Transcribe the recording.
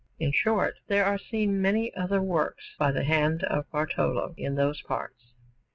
In short, there are seen many other works by the hand of Bartolo in those parts.